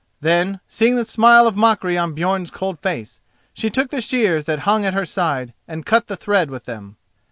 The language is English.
Then, seeing the smile of mockery on Björn's cold face, she took the shears that hung at her side and cut the thread with them.